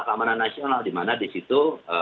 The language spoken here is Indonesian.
pengamanan nasional di mana di situ